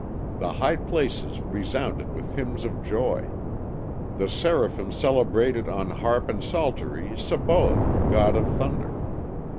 The high places resounded with hymns of joy; the Seraphim celebrated on harp and psaltery Sabaoth, God of Thunder.